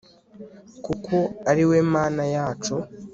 kuko ari we mana yacu